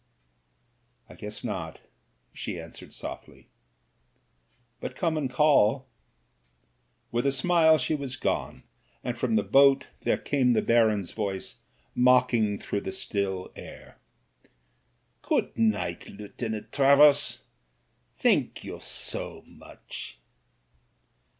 "I guess not," she answered softly. "But come and call." With a smile she was gone, and from the boat there came the Baron's voice mocking through the still air, "Good night, Lieutenant Travers. Thank you so much."